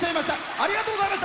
ありがとうございます！